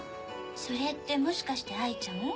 それってもしかして哀ちゃん？